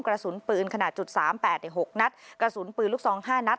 กระสุนปืนขนาด๐๓๘๖นัดกระสุนปืนลูกทรอง๕นัด